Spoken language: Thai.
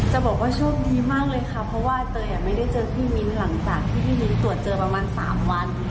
จะบอกว่าโชคดีมากเลยค่ะเพราะว่าเตยไม่ได้เจอพี่มิ้นหลังจากที่พี่มิ้นตรวจเจอประมาณ๓วัน